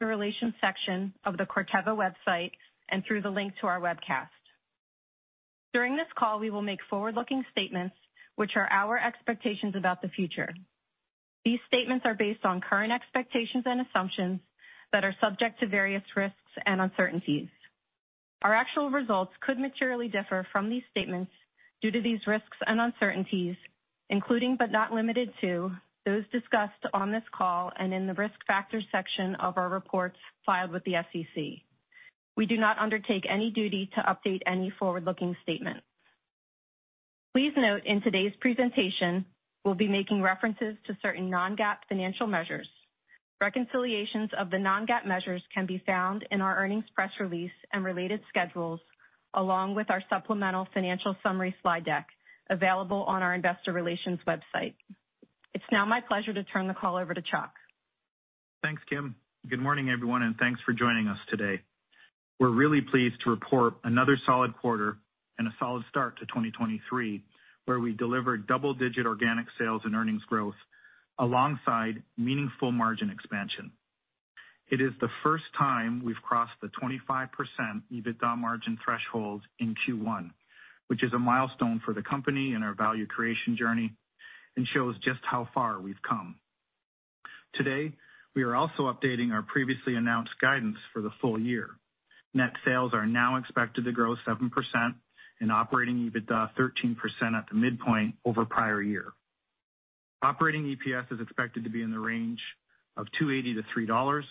The Relations section of the Corteva website and through the link to our webcast. During this call, we will make forward-looking statements which are our expectations about the future. These statements are based on current expectations and assumptions that are subject to various risks and uncertainties. Our actual results could materially differ from these statements due to these risks and uncertainties, including, but not limited to, those discussed on this call and in the Risk Factors section of our reports filed with the SEC. We do not undertake any duty to update any forward-looking statements. Please note in today's presentation, we'll be making references to certain non-GAAP financial measures. Reconciliations of the non-GAAP measures can be found in our earnings press release and related schedules, along with our supplemental financial summary slide deck available on our investor relations website. It's now my pleasure to turn the call over to Chuck. Thanks, Kim. Good morning, everyone, thanks for joining us today. We're really pleased to report another solid quarter and a solid start to 2023, where we delivered double-digit organic sales and earnings growth alongside meaningful margin expansion. It is the first time we've crossed the 25% EBITDA margin threshold in Q1, which is a milestone for the company and our value creation journey and shows just how far we've come. Today, we are also updating our previously announced guidance for the full year. Net sales are now expected to grow 7% and operating EBITDA 13% at the midpoint over prior year. Operating EPS is expected to be in the range of $2.80-$3.00.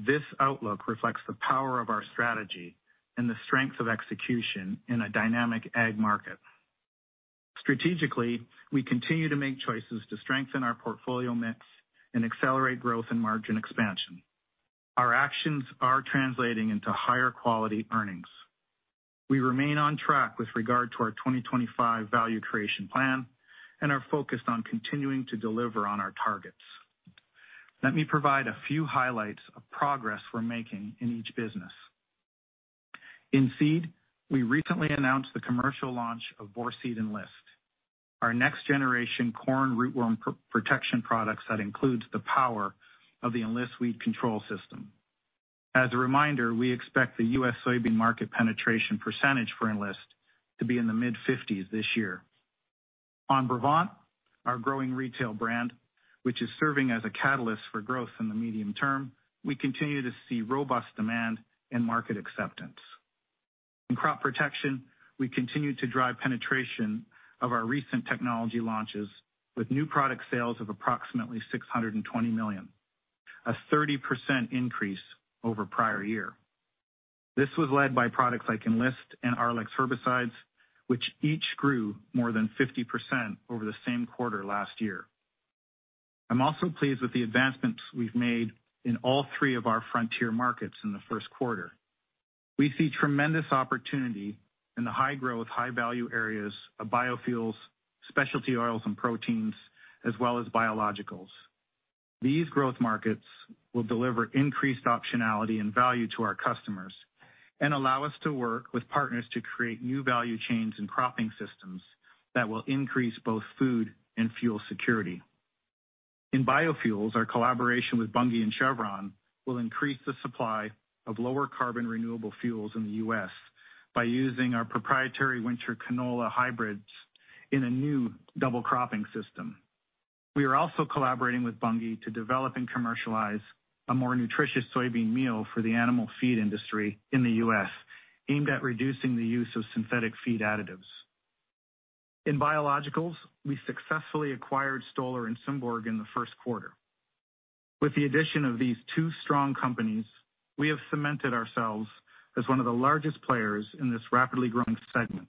This outlook reflects the power of our strategy and the strength of execution in a dynamic ag market. Strategically, we continue to make choices to strengthen our portfolio mix and accelerate growth and margin expansion. Our actions are translating into higher quality earnings. We remain on track with regard to our 2025 value creation plan and are focused on continuing to deliver on our targets. Let me provide a few highlights of progress we're making in each business. In seed, we recently announced the commercial launch of Vorceed Enlist, our next generation corn rootworm pro-protection products that includes the power of the Enlist weed control system. As a reminder, we expect the U.S. soybean market penetration percentage for Enlist to be in the mid-50s this year. On Brevant, our growing retail brand, which is serving as a catalyst for growth in the medium term, we continue to see robust demand and market acceptance. In crop protection, we continue to drive penetration of our recent technology launches with new product sales of approximately $620 million, a 30% increase over prior year. This was led by products like Enlist and Arylex herbicides, which each grew more than 50% over the same quarter last year. I'm also pleased with the advancements we've made in all three of our frontier markets in the first quarter. We see tremendous opportunity in the high-growth, high-value areas of biofuels, specialty oils and proteins, as well as Biologicals. These growth markets will deliver increased optionality and value to our customers and allow us to work with partners to create new value chains and cropping systems that will increase both food and fuel security. In biofuels, our collaboration with Bunge and Chevron will increase the supply of lower carbon renewable fuels in the U.S. by using our proprietary winter canola hybrids in a new double cropping system. We are also collaborating with Bunge to develop and commercialize a more nutritious soybean meal for the animal feed industry in the U.S., aimed at reducing the use of synthetic feed additives. In biologicals, we successfully acquired Stoller and Symborg in the first quarter. With the addition of these two strong companies, we have cemented ourselves as one of the largest players in this rapidly growing segment.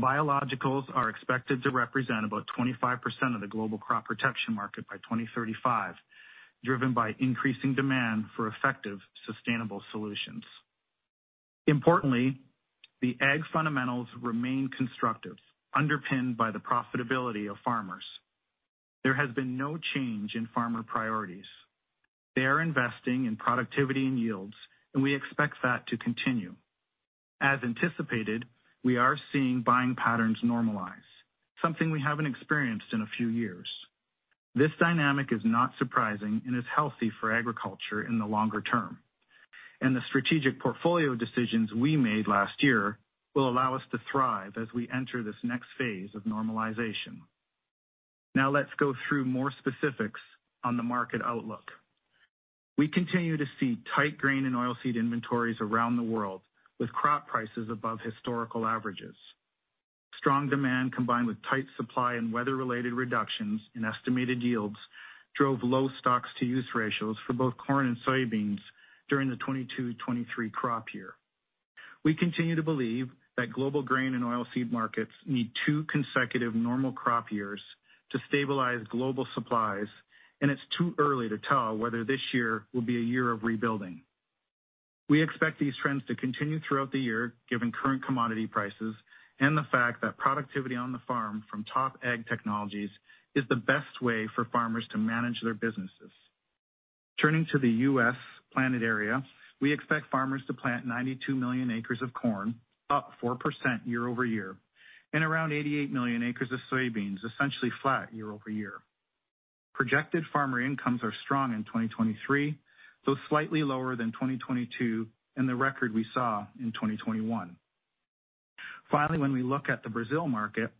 Biologicals are expected to represent about 25% of the global crop protection market by 2035, driven by increasing demand for effective, sustainable solutions. Importantly, the ag fundamentals remain constructive, underpinned by the profitability of farmers. There has been no change in farmer priorities. They are investing in productivity and yields, and we expect that to continue. As anticipated, we are seeing buying patterns normalize, something we haven't experienced in a few years. This dynamic is not surprising and is healthy for agriculture in the longer term, and the strategic portfolio decisions we made last year will allow us to thrive as we enter this next phase of normalization. Now, let's go through more specifics on the market outlook. We continue to see tight grain and oilseed inventories around the world with crop prices above historical averages. Strong demand combined with tight supply and weather-related reductions in estimated yields drove low stocks-to-use ratios for both corn and soybeans during the 2022/2023 crop year. We continue to believe that global grain and oil seed markets need two consecutive normal crop years to stabilize global supplies, and it's too early to tell whether this year will be a year of rebuilding. We expect these trends to continue throughout the year, given current commodity prices and the fact that productivity on the farm from top ag technologies is the best way for farmers to manage their businesses. Turning to the U.S. planted area, we expect farmers to plant 92 million acres of corn, up 4% year-over-year, and around 88 million acres of soybeans, essentially flat year-over-year. Projected farmer incomes are strong in 2023, though slightly lower than 2022 and the record we saw in 2021. Finally, when we look at the Brazil market,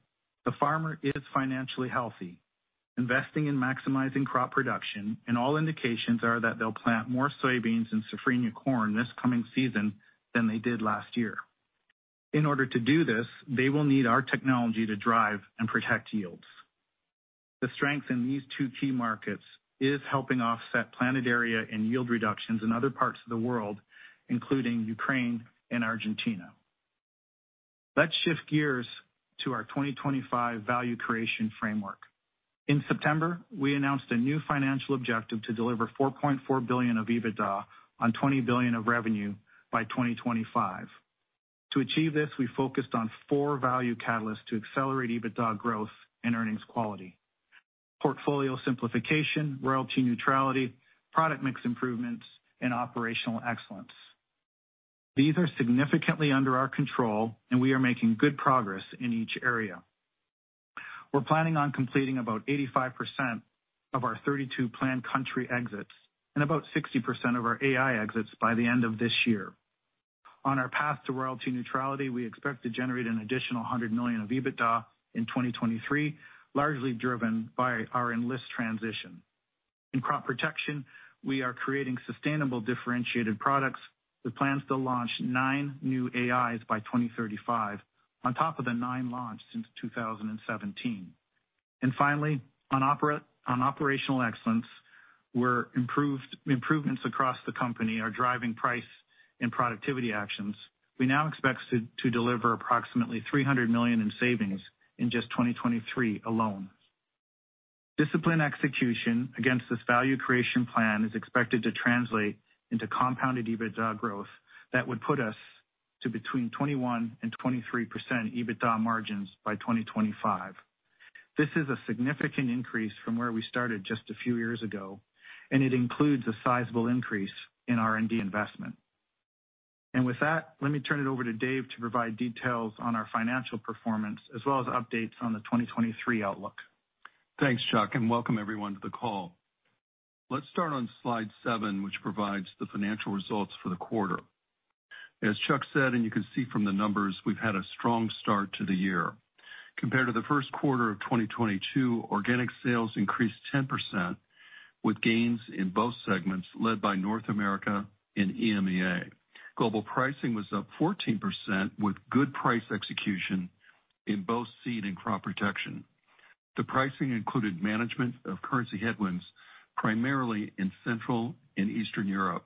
the farmer is financially healthy, investing in maximizing crop production, and all indications are that they'll plant more soybeans and safrinha corn this coming season than they did last year. In order to do this, they will need our technology to drive and protect yields. The strength in these two key markets is helping offset planted area and yield reductions in other parts of the world, including Ukraine and Argentina. Let's shift gears to our 2025 value creation framework. In September, we announced a new financial objective to deliver $4.4 billion of EBITDA on $20 billion of revenue by 2025. To achieve this, we focused on four value catalysts to accelerate EBITDA growth and earnings quality: portfolio simplification, royalty neutrality, product mix improvements, and operational excellence. These are significantly under our control and we are making good progress in each area. We're planning on completing about 85% of our 32 planned country exits and about 60% of our AI exits by the end of this year. On our path to royalty neutrality, we expect to generate an additional $100 million of EBITDA in 2023, largely driven by our Enlist transition. In crop protection, we are creating sustainable differentiated products with plans to launch 9 new AIs by 2035 on top of the 9 launched since 2017. Finally, on operational excellence, where improvements across the company are driving price and productivity actions. We now expect to deliver approximately $300 million in savings in just 2023 alone. Disciplined execution against this value creation plan is expected to translate into compounded EBITDA growth that would put us to between 21% and 23% EBITDA margins by 2025. This is a significant increase from where we started just a few years ago. It includes a sizable increase in R&D investment. With that, let me turn it over to Dave to provide details on our financial performance as well as updates on the 2023 outlook. Thanks, Chuck, and welcome everyone to the call. Let's start on Slide 7, which provides the financial results for the quarter. As Chuck said, and you can see from the numbers, we've had a strong start to the year. Compared to the first quarter of 2022, organic sales increased 10% with gains in both segments led by North America and EMEA. Global pricing was up 14% with good price execution in both seed and crop protection. The pricing included management of currency headwinds, primarily in Central and Eastern Europe.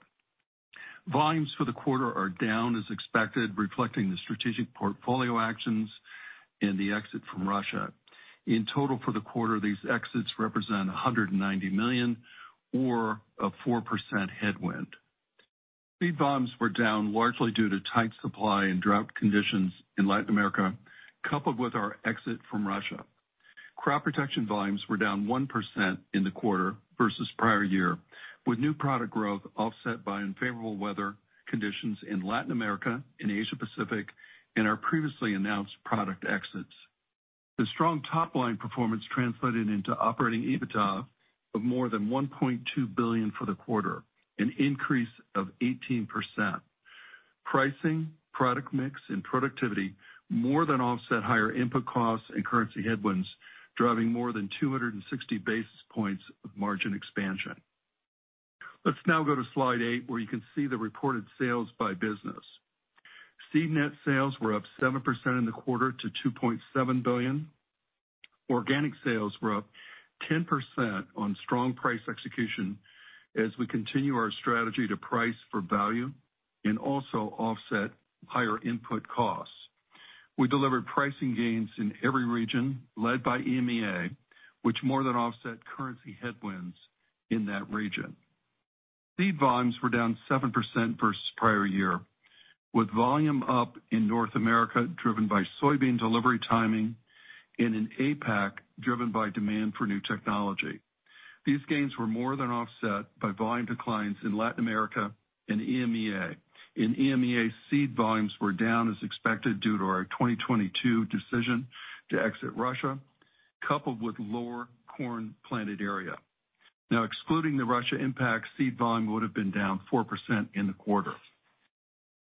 Volumes for the quarter are down as expected, reflecting the strategic portfolio actions and the exit from Russia. In total for the quarter, these exits represent $190 million or a 4% headwind. Seed volumes were down largely due to tight supply and drought conditions in Latin America, coupled with our exit from Russia. Crop protection volumes were down 1% in the quarter versus prior year, with new product growth offset by unfavorable weather conditions in Latin America and Asia Pacific and our previously announced product exits. The strong top-line performance translated into operating EBITDA of more than $1.2 billion for the quarter, an increase of 18%. Pricing, product mix and productivity more than offset higher input costs and currency headwinds, driving more than 260 basis points of margin expansion. Let's now go to Slide 8, where you can see the reported sales by business. Seed net sales were up 7% in the quarter to $2.7 billion. Organic sales were up 10% on strong price execution as we continue our strategy to price for value and also offset higher input costs. We delivered pricing gains in every region led by EMEA, which more than offset currency headwinds in that region. Seed volumes were down 7% versus prior year, with volume up in North America driven by soybean delivery timing and in APAC driven by demand for new technology. These gains were more than offset by volume declines in Latin America and EMEA. In EMEA, seed volumes were down as expected due to our 2022 decision to exit Russia, coupled with lower corn planted area. Excluding the Russia impact, seed volume would have been down 4% in the quarter.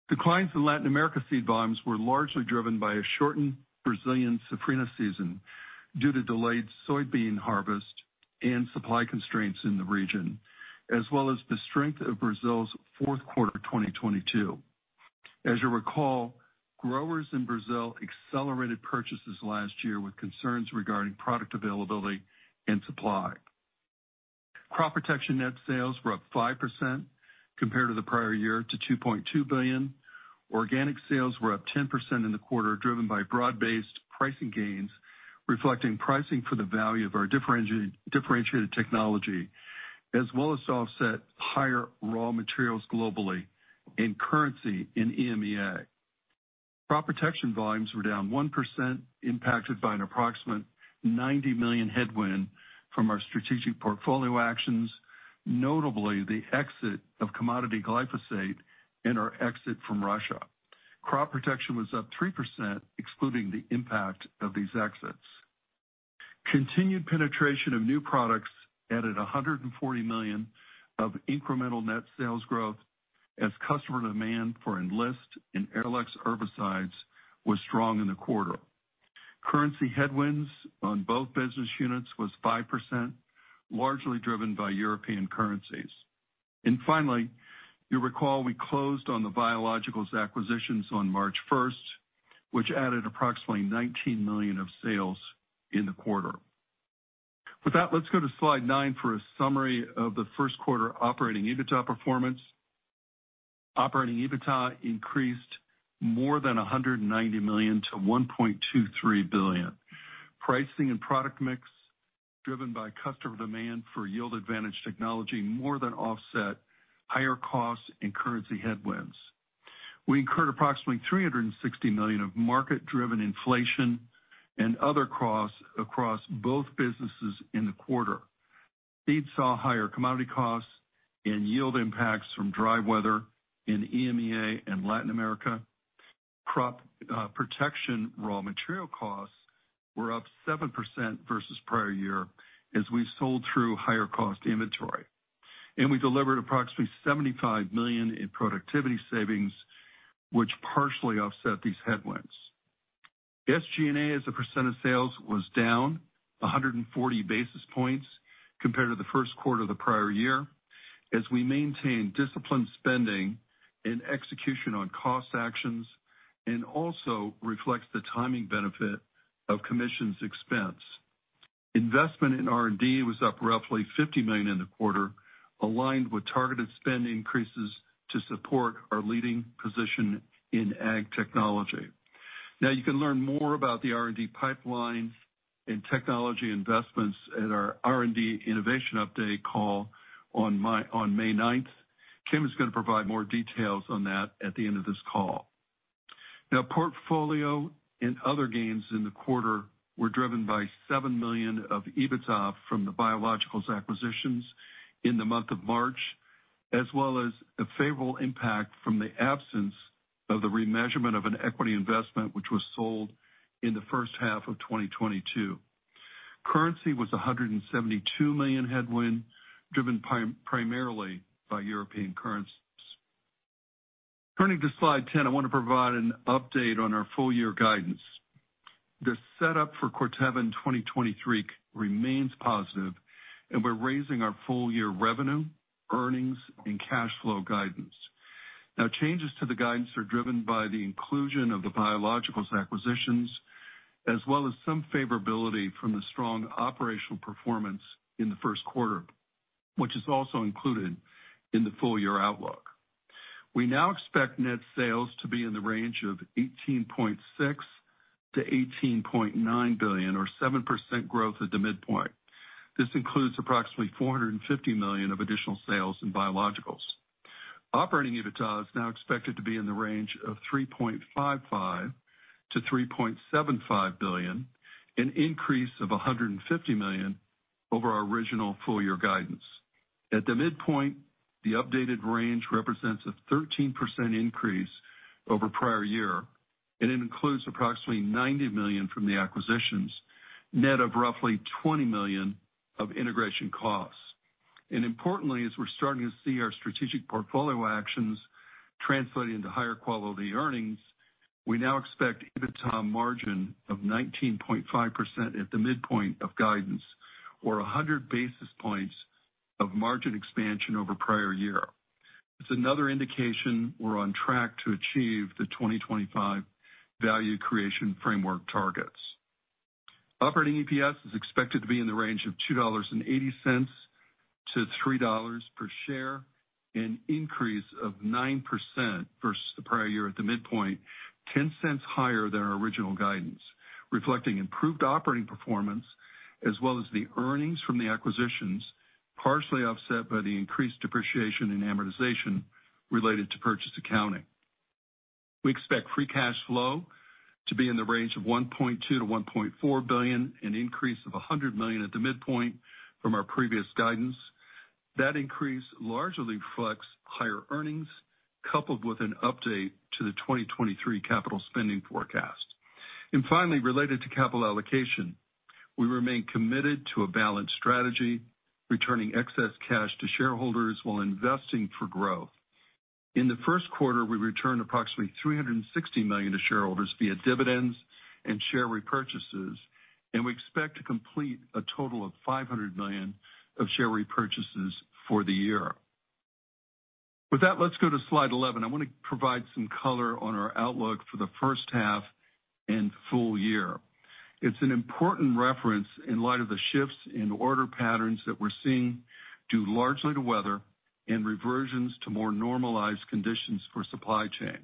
Declines in Latin America seed volumes were largely driven by a shortened Brazilian safrinha season due to delayed soybean harvest and supply constraints in the region, as well as the strength of Brazil's fourth quarter 2022. As you recall, growers in Brazil accelerated purchases last year with concerns regarding product availability and supply. Crop protection net sales were up 5% compared to the prior year to $2.2 billion. Organic sales were up 10% in the quarter, driven by broad-based pricing gains, reflecting pricing for the value of our differentiated technology, as well as to offset higher raw materials globally and currency in EMEA. Crop protection volumes were down 1%, impacted by an approximate $90 million headwind from our strategic portfolio actions, notably the exit of commodity glyphosate and our exit from Russia. Crop protection was up 3% excluding the impact of these exits. Continued penetration of new products added $140 million of incremental net sales growth as customer demand for Enlist and Arylex herbicides was strong in the quarter. Currency headwinds on both business units was 5%, largely driven by European currencies. Finally, you recall, we closed on the Biologicals acquisitions on March 1st, which added approximately $19 million of sales in the quarter. With that, let's go to Slide 9 for a summary of the first quarter Operating EBITDA performance. Operating EBITDA increased more than $190 million to $1.23 billion. Pricing and product mix, driven by customer demand for yield advantage technology, more than offset higher costs and currency headwinds. We incurred approximately $360 million of market-driven inflation and other costs across both businesses in the quarter. Seeds saw higher commodity costs and yield impacts from dry weather in EMEA and Latin America. Crop protection raw material costs were up 7% versus prior year as we sold through higher cost inventory. We delivered approximately $75 million in productivity savings, which partially offset these headwinds. SG&A, as a percentage of sales, was down 140 basis points compared to the first quarter of the prior year as we maintain disciplined spending and execution on cost actions and also reflects the timing benefit of commissions expense. Investment in R&D was up roughly $50 million in the quarter, aligned with targeted spend increases to support our leading position in ag technology. You can learn more about the R&D pipeline and technology investments at our R&D innovation update call on May 9th. Kim is gonna provide more details on that at the end of this call. Portfolio and other gains in the quarter were driven by $7 million of EBITDA from the biologicals acquisitions in the month of March, as well as a favorable impact from the absence of the remeasurement of an equity investment, which was sold in the first half of 2022. Currency was a $172 million headwind, driven primarily by European currencies. Turning to Slide 10, I wanna provide an update on our full year guidance. The setup for Corteva in 2023 remains positive and we're raising our full year revenue, earnings, and cash flow guidance. Changes to the guidance are driven by the inclusion of the biologicals acquisitions as well as some favorability from the strong operational performance in the first quarter, which is also included in the full year outlook. We now expect net sales to be in the range of $18.6 billion-$18.9 billion or 7% growth at the midpoint. This includes approximately $450 million of additional sales in Biologicals. Operating EBITDA is now expected to be in the range of $3.55 billion-$3.75 billion, an increase of $150 million over our original full year guidance. At the midpoint, the updated range represents a 13% increase over prior year, and it includes approximately $90 million from the acquisitions, net of roughly $20 million of integration costs. Importantly, as we're starting to see our strategic portfolio actions translating into higher quality earnings, we now expect EBITDA margin of 19.5% at the midpoint of guidance or 100 basis points of margin expansion over prior year. It's another indication we're on track to achieve the 2025 value creation framework targets. Operating EPS is expected to be in the range of $2.80-$3.00 per share, an increase of 9% versus the prior year at the midpoint, $0.10 higher than our original guidance, reflecting improved operating performance as well as the earnings from the acquisitions, partially offset by the increased depreciation and amortization related to purchase accounting. We expect free cash flow to be in the range of $1.2 billion-$1.4 billion, an increase of $100 million at the midpoint from our previous guidance. That increase largely reflects higher earnings coupled with an update to the 2023 capital spending forecast. Finally, related to capital allocation, we remain committed to a balanced strategy, returning excess cash to shareholders while investing for growth. In the first quarter, we returned approximately $360 million to shareholders via dividends and share repurchases, and we expect to complete a total of $500 million of share repurchases for the year. With that, let's go to Slide 11. I want to provide some color on our outlook for the first half and full year. It's an important reference in light of the shifts in order patterns that we're seeing due largely to weather and reversions to more normalized conditions for supply chains.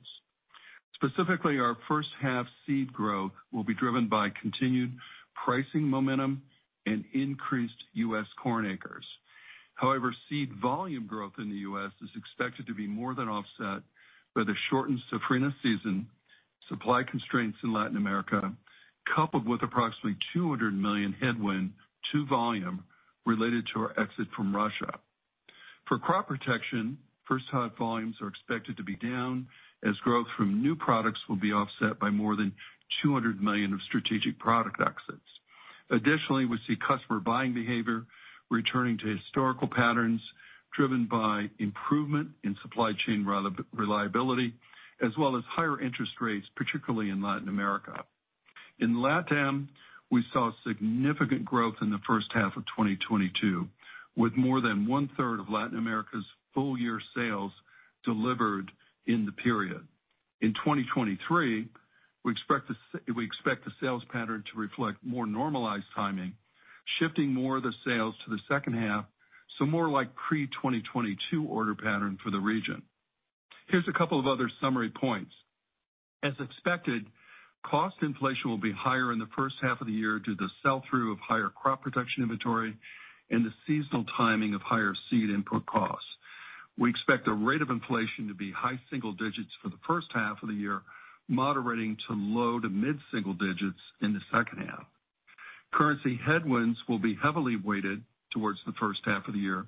Specifically, our first half seed growth will be driven by continued pricing momentum and increased U.S. corn acres. Seed volume growth in the US is expected to be more than offset by the shortened safrinha season, supply constraints in Latin America, coupled with approximately $200 million headwind to volume related to our exit from Russia. For crop protection, first half volumes are expected to be down as growth from new products will be offset by more than $200 million of strategic product exits. We see customer buying behavior returning to historical patterns driven by improvement in supply chain reliability as well as higher interest rates, particularly in Latin America. In LatAm, we saw significant growth in the first half of 2022, with more than one-third of Latin America's full-year sales delivered in the period. In 2023, we expect the sales pattern to reflect more normalized timing, shifting more of the sales to the second half, so more like pre-2022 order pattern for the region. Here's a couple of other summary points. As expected, cost inflation will be higher in the first half of the year due to the sell-through of higher crop protection inventory and the seasonal timing of higher seed input costs. We expect the rate of inflation to be high single digits for the first half of the year, moderating to low to mid-single digits in the second half. Currency headwinds will be heavily weighted towards the first half of the year,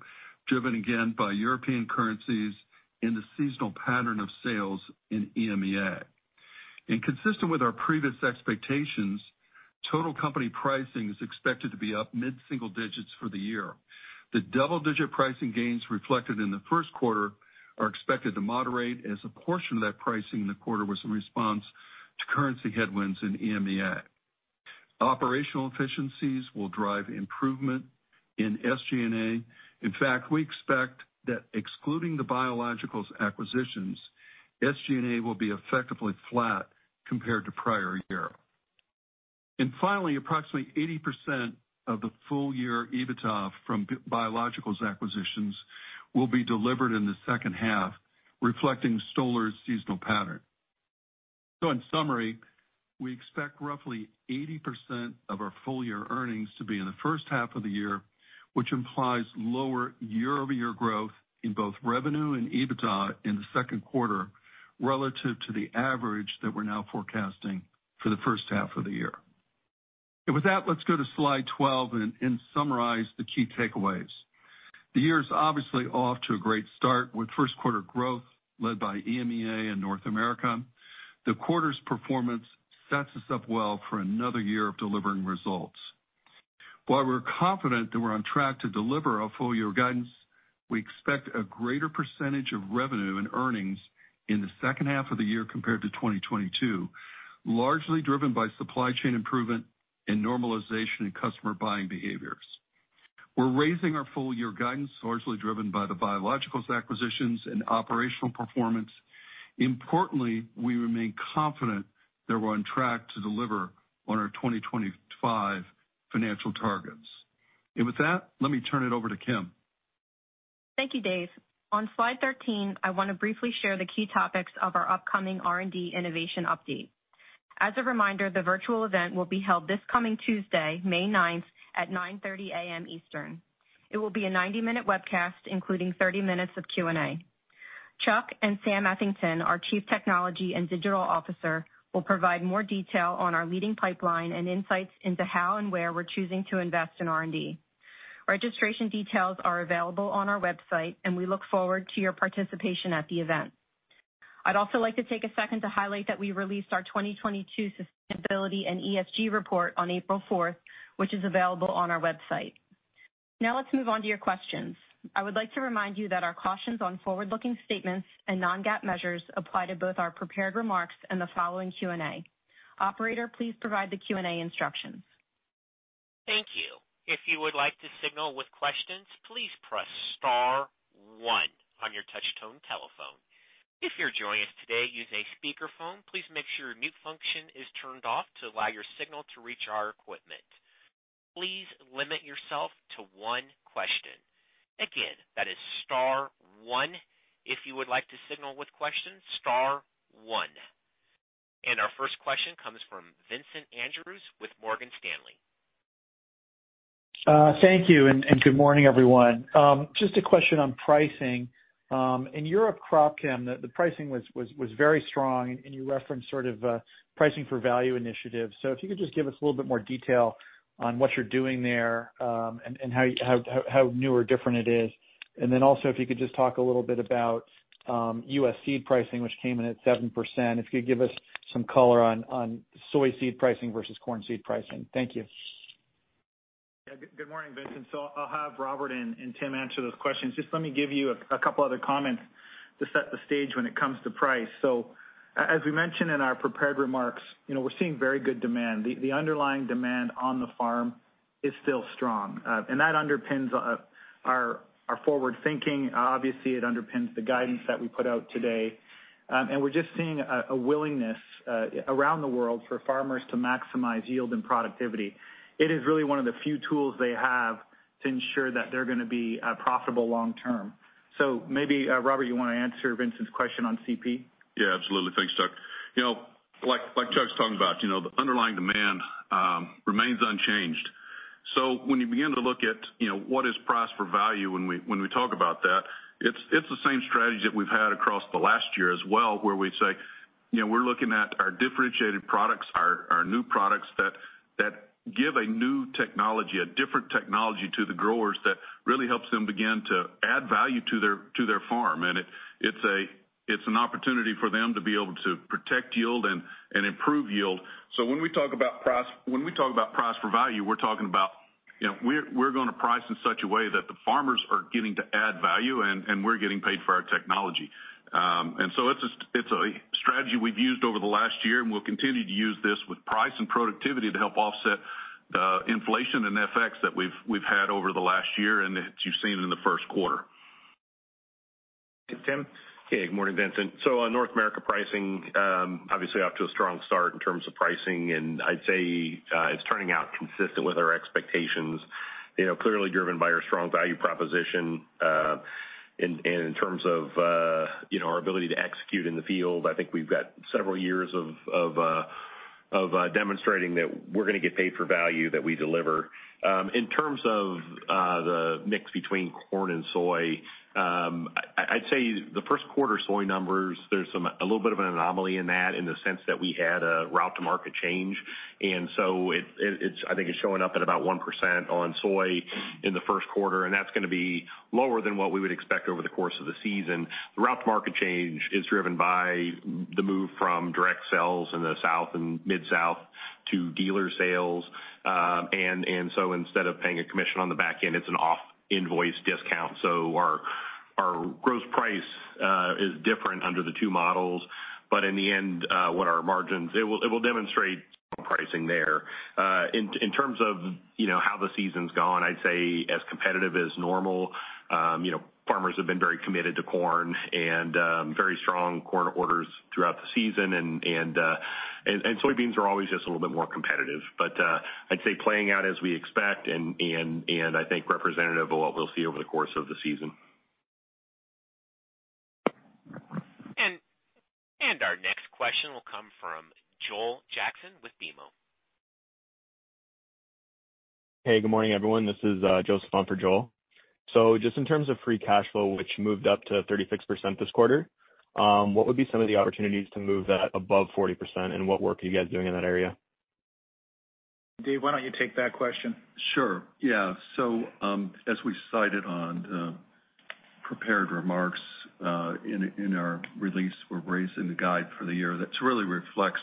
driven again by European currencies and the seasonal pattern of sales in EMEA. Consistent with our previous expectations, total company pricing is expected to be up mid-single digits for the year. The double-digit pricing gains reflected in the first quarter are expected to moderate as a portion of that pricing in the quarter was in response to currency headwinds in EMEA. Operational efficiencies will drive improvement in SG&A. We expect that excluding the biologicals acquisitions, SG&A will be effectively flat compared to prior year. Approximately 80% of the full-year EBITDA from biologicals acquisitions will be delivered in the second half, reflecting Stoller's seasonal pattern. In summary, we expect roughly 80% of our full-year earnings to be in the first half of the year, which implies lower year-over-year growth in both revenue and EBITDA in the second quarter relative to the average that we're now forecasting for the first half of the year. With that, let's go to Slide 12 and summarize the key takeaways. The year's obviously off to a great start with first quarter growth led by EMEA and North America. The quarter's performance sets us up well for another year of delivering results. While we're confident that we're on track to deliver our full-year guidance, we expect a greater percentage of revenue and earnings in the second half of the year compared to 2022, largely driven by supply chain improvement and normalization in customer buying behaviors. We're raising our full-year guidance, largely driven by the biologicals acquisitions and operational performance. Importantly, we remain confident that we're on track to deliver on our 2025 financial targets. With that, let me turn it over to Kim. Thank you, Dave. On Slide 13, I wanna briefly share the key topics of our upcoming R&D innovation update. As a reminder, the virtual event will be held this coming Tuesday, May 9th, at 9:30 A.M. Eastern. It will be a 90-minute webcast, including 30 minutes of Q&A. Chuck and Sam Eathington, our Chief Technology and Digital Officer, will provide more detail on our leading pipeline and insights into how and where we're choosing to invest in R&D. Registration details are available on our website, and we look forward to your participation at the event. I'd also like to take a second to highlight that we released our 2022 sustainability and ESG report on April 4th, which is available on our website. Now let's move on to your questions. I would like to remind you that our cautions on forward-looking statements and non-GAAP measures apply to both our prepared remarks and the following Q&A. Operator, please provide the Q&A instructions. Thank you. If you would like to signal with questions, please press star one on your touch-tone telephone. If you're joining us today using a speakerphone, please make sure your mute function is turned off to allow your signal to reach our equipment. Please limit yourself to one question. Again, that is star one if you would like to signal with questions, star one. Our first question comes from Vincent Andrews with Morgan Stanley. Thank you, and good morning, everyone. Just a question on pricing. In Europe Crop Chem, the pricing was very strong and you referenced sort of pricing for value initiatives. If you could just give us a little bit more detail on what you're doing there, and how new or different it is. Also if you could just talk a little bit about U.S. seed pricing, which came in at 7%. If you could give us some color on soy seed pricing versus corn seed pricing. Thank you. Yeah. Good morning, Vincent. I'll have Robert and Tim answer those questions. Just let me give you a couple other comments to set the stage when it comes to price. As we mentioned in our prepared remarks, you know, we're seeing very good demand. The underlying demand on the farm is still strong. That underpins our forward thinking. Obviously, it underpins the guidance that we put out today. We're just seeing a willingness around the world for farmers to maximize yield and productivity. It is really one of the few tools they have to ensure that they're gonna be profitable long term. Maybe Robert, you wanna answer Vincent's question on CP? Yeah, absolutely. Thanks, Chuck. You know, like Chuck's talking about, you know, the underlying demand remains unchanged. When you begin to look at, you know, what is price for value when we, when we talk about that, it's the same strategy that we've had across the last year as well, where we say, you know, we're looking at our differentiated products, our new products that give a new technology, a different technology to the growers that really helps them begin to add value to their farm. It, it's a, it's an opportunity for them to be able to protect yield and improve yield. When we talk about price for value, we're talking about, you know, we're gonna price in such a way that the farmers are getting to add value and we're getting paid for our technology. It's a strategy we've used over the last year, and we'll continue to use this with price and productivity to help offset inflation and FX that we've had over the last year and that you've seen in the 1st quarter. Tim? Hey, good morning, Vincent. On North America pricing, obviously off to a strong start in terms of pricing, and I'd say it's turning out consistent with our expectations, you know, clearly driven by our strong value proposition. In terms of, you know, our ability to execute in the field, I think we've got several years of demonstrating that we're gonna get paid for value that we deliver. In terms of the mix between corn and soy, I'd say the first quarter soy numbers, there's a little bit of an anomaly in that in the sense that we had a route to market change. It's I think it's showing up at about 1% on soy in the first quarter, and that's going to be lower than what we would expect over the course of the season. The route to market change is driven by the move from direct sales in the South and Mid-South to dealer sales. Instead of paying a commission on the back end, it's an off-invoice discount. Our gross price is different under the 2 models. In the end, it will demonstrate pricing there. In terms of, you know, how the season's gone, I'd say as competitive as normal. You know, farmers have been very committed to corn and very strong corn orders throughout the season. Soybeans are always just a little bit more competitive. I'd say playing out as we expect and I think representative of what we'll see over the course of the season. Our next question will come from Joel Jackson with BMO. Hey, good morning, everyone. This is Joseph on for Joel. Just in terms of free cash flow, which moved up to 36% this quarter, what would be some of the opportunities to move that above 40%, and what work are you guys doing in that area? Dave, why don't you take that question? Sure. Yeah. As we cited on prepared remarks, in our release, we're raising the guide for the year. That really reflects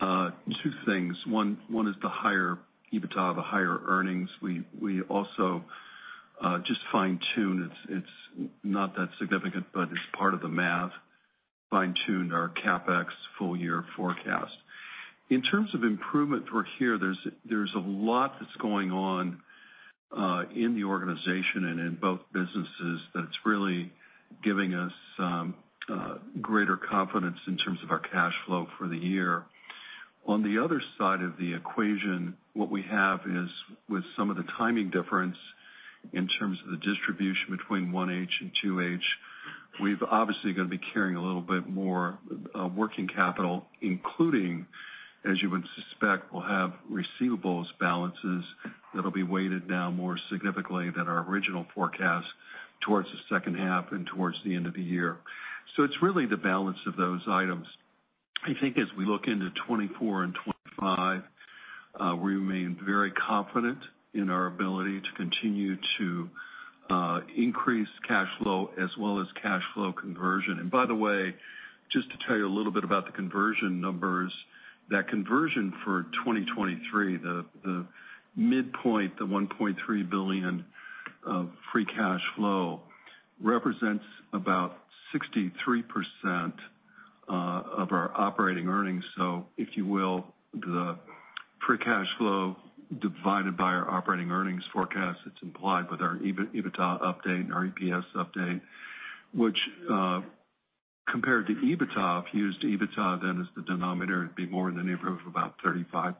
two things. One is the higher EBITDA, the higher earnings. We also just fine-tune. It's not that significant, but it's part of the math. Fine-tune our CapEx full year forecast. In terms of improvements we're here, there's a lot that's going on in the organization and in both businesses that's really giving us greater confidence in terms of our cash flow for the year. On the other side of the equation, what we have is with some of the timing difference in terms of the distribution between One H and Two H, we've obviously gonna be carrying a little bit more working capital, including, as you would suspect, we'll have receivables balances that'll be weighted now more significantly than our original forecast towards the second half and towards the end of the year. It's really the balance of those items. I think as we look into 2024 and 2025, we remain very confident in our ability to continue to increase cash flow as well as cash flow conversion. By the way, just to tell you a little bit about the conversion numbers, that conversion for 2023, the midpoint, the $1.3 billion of free cash flow represents about 63% of our operating earnings. If you will, the free cash flow divided by our operating earnings forecast, it's implied with our EBITDA update and our EPS update, which, compared to EBITDA, if you used EBITDA then as the denominator, it'd be more in the neighborhood of about 35%.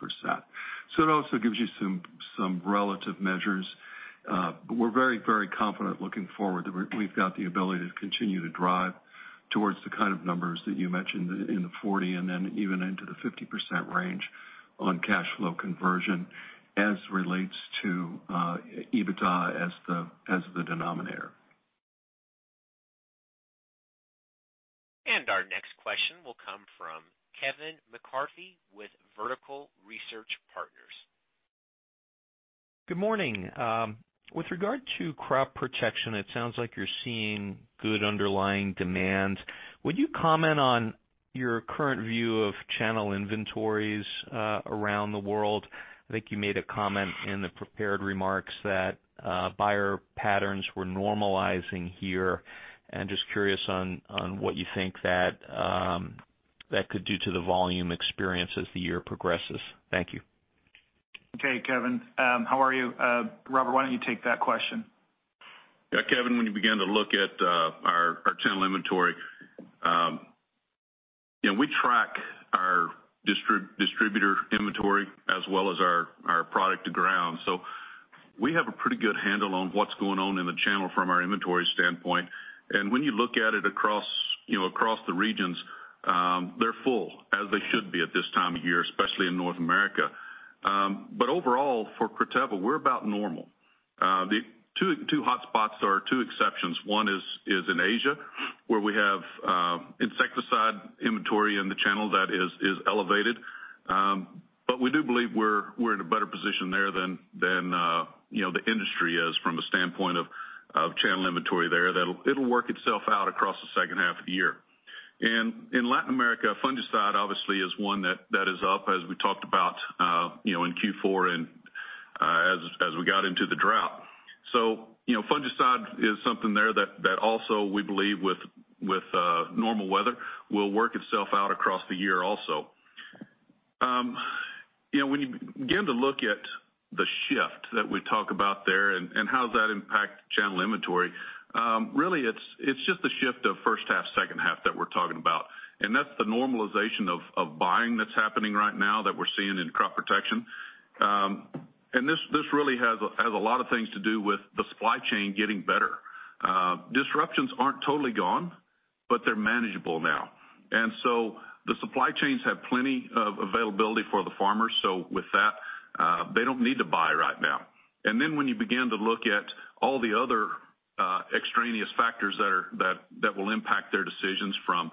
It also gives you some relative measures. We're very, very confident looking forward that we've got the ability to continue to drive towards the kind of numbers that you mentioned in the 40 and then even into the 50% range on cash flow conversion as relates to, EBITDA as the denominator. Our next question will come from Kevin McCarthy with Vertical Research Partners. Good morning. With regard to crop protection, it sounds like you're seeing good underlying demand. Would you comment on your current view of channel inventories around the world? I think you made a comment in the prepared remarks that buyer patterns were normalizing here. I'm just curious on what you think that could do to the volume experience as the year progresses. Thank you. Kevin, how are you? Robert, why don't you take that question? Kevin, when you begin to look at our channel inventory, you know, we track our distributor inventory as well as our product to ground. We have a pretty good handle on what's going on in the channel from our inventory standpoint. When you look at it across, you know, across the regions, they're full, as they should be at this time of year, especially in North America. Overall, for Corteva, we're about normal. The two hotspots are two exceptions. One is in Asia, where we have insecticide inventory in the channel that is elevated. We do believe we're in a better position there than, you know, the industry is from a standpoint of channel inventory there. It'll work itself out across the second half of the year. In Latin America, fungicide obviously is one that is up as we talked about, you know, in Q4 and, as we got into the drought. You know, fungicide is something there that also we believe with normal weather, will work itself out across the year also. You know, when you begin to look at the shift that we talk about there and how does that impact channel inventory, really it's just the shift of first half, second half that we're talking about. That's the normalization of buying that's happening right now that we're seeing in crop protection. This really has a lot of things to do with the supply chain getting better. Disruptions aren't totally gone, but they're manageable now. The supply chains have plenty of availability for the farmers. With that, they don't need to buy right now. When you begin to look at all the other extraneous factors that will impact their decisions from,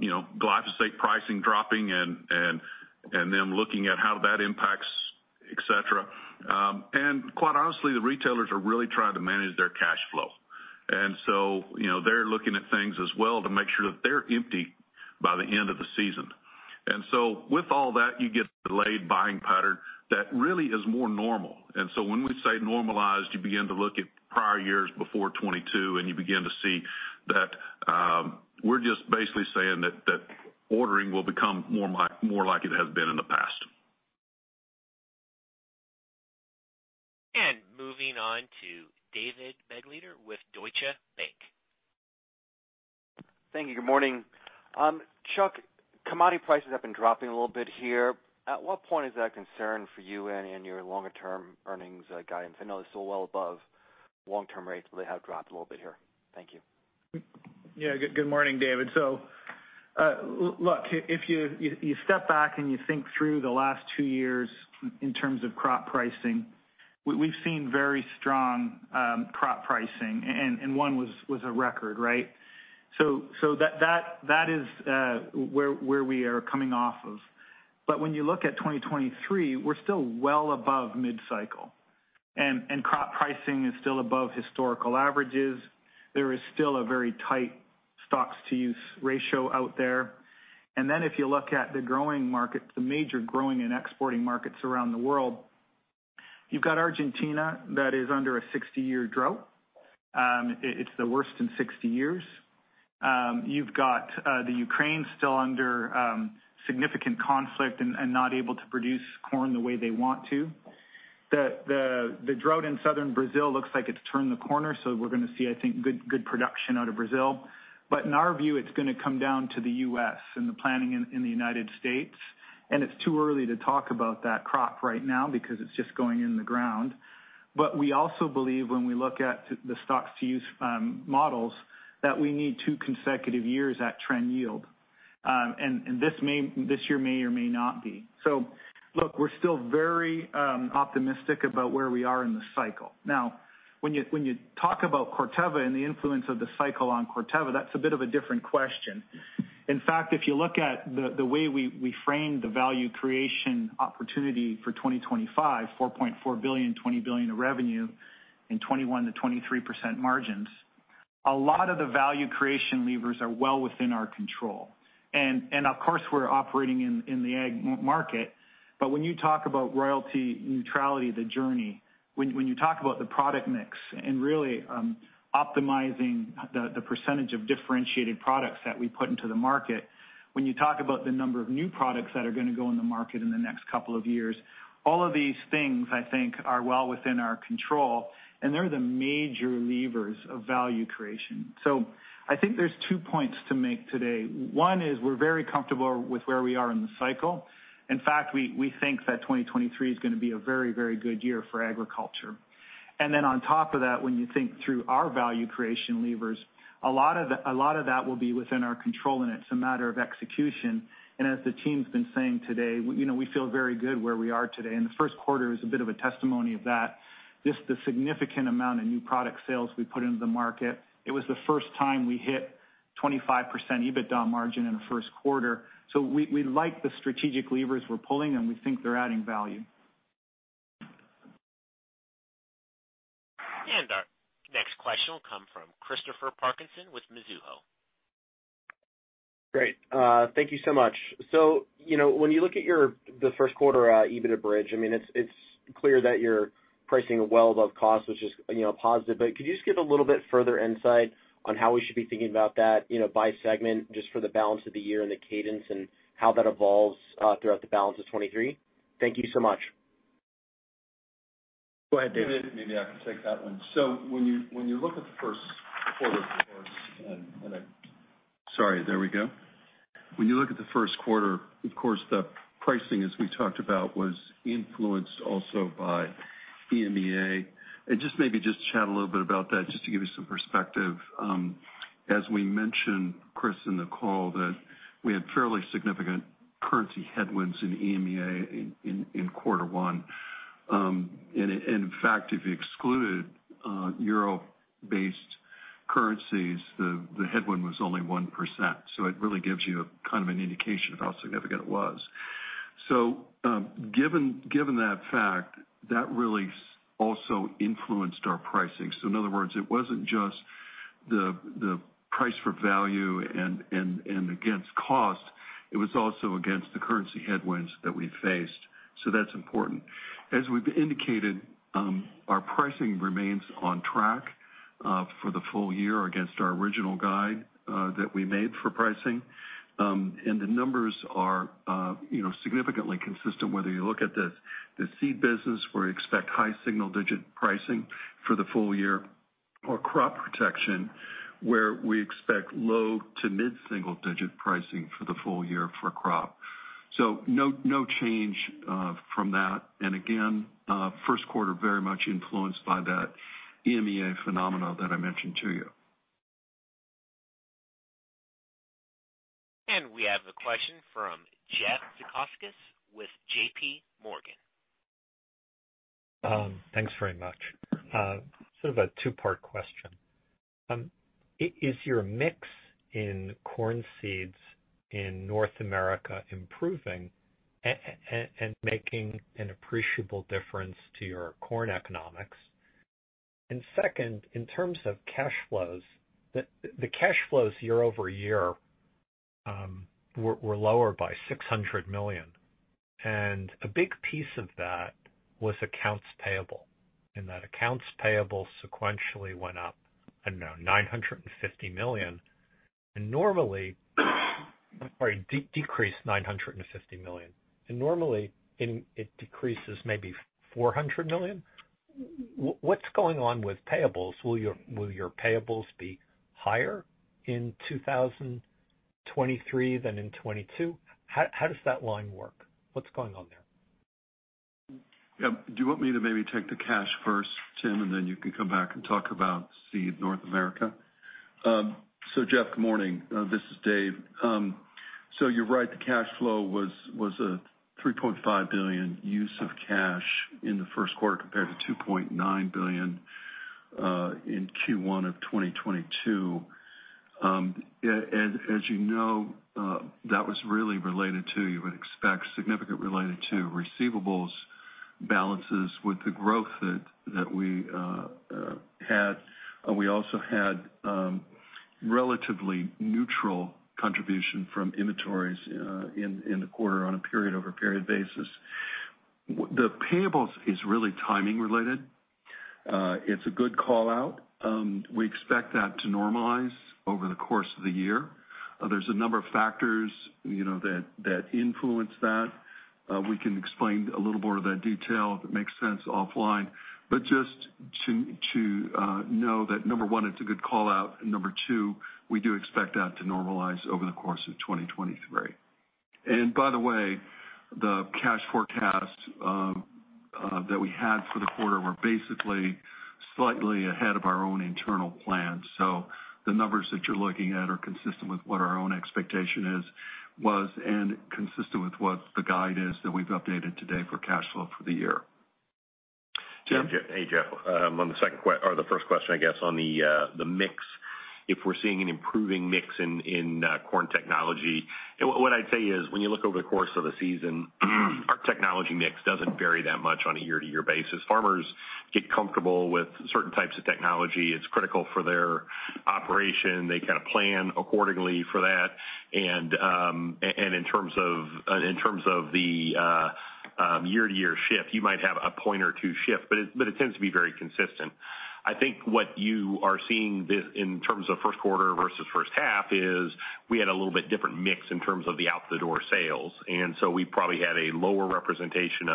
you know, glyphosate pricing dropping and them looking at how that impacts, et cetera. Quite honestly, the retailers are really trying to manage their cash flow. You know, they're looking at things as well to make sure that they're empty by the end of the season. With all that, you get delayed buying pattern that really is more normal. When we say normalized, you begin to look at prior years before 2022, and you begin to see that, we're just basically saying that ordering will become more like it has been in the past. Moving on to David Begleiter with Deutsche Bank. Thank you. Good morning. Chuck, commodity prices have been dropping a little bit here. At what point is that a concern for you and in your longer term earnings guidance? I know they're still well above long-term rates, but they have dropped a little bit here. Thank you. Good morning, David. look, if you step back and you think through the last 2 years in terms of crop pricing, we've seen very strong crop pricing, and one was a record, right? that is where we are coming off of. When you look at 2023, we're still well above mid-cycle. Crop pricing is still above historical averages. There is still a very tight stocks-to-use ratio out there. If you look at the growing market, the major growing and exporting markets around the world, you've got Argentina that is under a 60-year drought. It's the worst in 60 years. You've got Ukraine still under significant conflict and not able to produce corn the way they want to. The drought in southern Brazil looks like it's turned the corner, we're gonna see, I think, good production out of Brazil. In our view, it's gonna come down to the U.S. and the planning in the United States, It's too early to talk about that crop right now because it's just going in the ground. We also believe when we look at the stocks-to-use models, that we need 2 consecutive years at trend yield. this year may or may not be. Look, we're still very optimistic about where we are in the cycle. Now, when you talk about Corteva and the influence of the cycle on Corteva, that's a bit of a different question. In fact, if you look at the way we frame the value creation opportunity for 2025, $4.4 billion, $20 billion of revenue and 21%-23% margins, a lot of the value creation levers are well within our control. Of course, we're operating in the ag market. When you talk about royalty neutrality, the journey, when you talk about the product mix and really optimizing the percentage of differentiated products that we put into the market, when you talk about the number of new products that are gonna go in the market in the next couple of years, all of these things, I think, are well within our control, and they're the major levers of value creation. I think there's two points to make today. One is we're very comfortable with where we are in the cycle. In fact, we think that 2023 is gonna be a very, very good year for agriculture. Then on top of that, when you think through our value creation levers, a lot of that will be within our control and it's a matter of execution. As the team's been saying today, you know, we feel very good where we are today, and the first quarter is a bit of a testimony of that. Just the significant amount of new product sales we put into the market, it was the first time we hit 25% EBITDA margin in the first quarter. We like the strategic levers we're pulling, and we think they're adding value. Our next question will come from Christopher Parkinson with Mizuho. Great. Thank you so much. You know, when you look at the first quarter EBITDA bridge, I mean, it's clear that you're pricing well above cost, which is, you know, positive. Could you just give a little bit further insight on how we should be thinking about that, you know, by segment just for the balance of the year and the cadence and how that evolves throughout the balance of 2023? Thank you so much. Go ahead, David. David, maybe I can take that one. When you look at the first quarter, of course, the pricing, as we talked about, was influenced also by EMEA. Just maybe just chat a little bit about that just to give you some perspective. As we mentioned, Christopher Parkinson, in the call that we had fairly significant currency headwinds in EMEA in Quarter 1. In fact, if you excluded EUR-based currencies, the headwind was only 1%. It really gives you kind of an indication of how significant it was. Given that fact, that really also influenced our pricing. In other words, it wasn't just the price for value and against cost, it was also against the currency headwinds that we faced. That's important. As we've indicated, our pricing remains on track for the full year against our original guide that we made for pricing. The numbers are, you know, significantly consistent, whether you look at the seed business, where we expect high single-digit pricing for the full year, or crop protection, where we expect low to mid single-digit pricing for the full year for crop. No, no change from that. Again, first quarter very much influenced by that EMEA phenomena that I mentioned to you. We have a question from Jeffrey Zekauskas with J.P. Morgan. Thanks very much. Sort of a two-part question. Is your mix in corn seeds in North America improving and making an appreciable difference to your corn economics? Second, in terms of cash flows, the cash flows year-over-year were lower by $600 million, and a big piece of that was accounts payable. That accounts payable sequentially decreased $950 million. It decreases maybe $400 million. What's going on with payables? Will your payables be higher in 2023 than in 2022? How does that line work? What's going on there? Yeah. Do you want me to maybe take the cash first, Tim, and then you can come back and talk about seed North America? Jeff, good morning. This is Dave. You're right, the cash flow was a $3.5 billion use of cash in the first quarter, compared to $2.9 billion in Q1 of 2022. As you know, that was really related to, you would expect, significant related to receivables balances with the growth that we had. We also had relatively neutral contribution from inventories in the quarter on a period-over-period basis. The payables is really timing related. It's a good call-out. We expect that to normalize over the course of the year. There's a number of factors, you know, that influence that. We can explain a little more of that detail, if it makes sense, offline. Just to know that number one, it's a good call-out, and number two, we do expect that to normalize over the course of 2023. By the way, the cash forecast that we had for the quarter were basically slightly ahead of our own internal plan. The numbers that you're looking at are consistent with what our own expectation is, was, and consistent with what the guide is that we've updated today for cash flow for the year. Tim. Hey, Jeff. On the second or the first question, I guess, on the mix, if we're seeing an improving mix in corn technology. What I'd say is, when you look over the course of a season, our technology mix doesn't vary that much on a year-to-year basis. Farmers get comfortable with certain types of technology. It's critical for their operation. They kind of plan accordingly for that. In terms of the year-to-year shift, you might have a point or two shift, but it tends to be very consistent. I think what you are seeing in terms of first quarter versus first half is we had a little bit different mix in terms of the out-the-door sales. We probably had a lower representation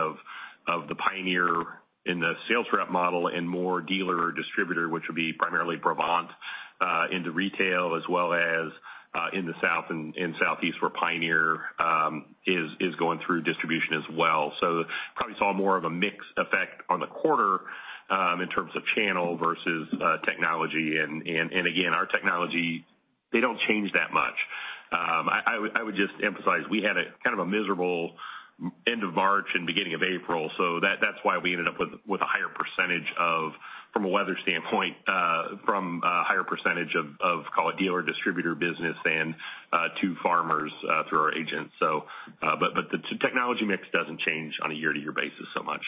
of the Pioneer in the sales rep model and more dealer or distributor, which would be primarily Brevant, into retail as well as in the South and in Southeast, where Pioneer is going through distribution as well. Probably saw more of a mix effect on the quarter in terms of channel versus technology. Again, our technology, they don't change that much. I would just emphasize we had a kind of a miserable end of March and beginning of April, so that's why we ended up with a higher percentage of, from a weather standpoint, from a higher percentage of, call it, dealer distributor business than to farmers through our agents. The technology mix doesn't change on a year-to-year basis so much.